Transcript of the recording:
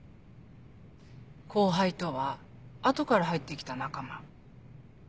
「後輩」とは「後から入って来た仲間」。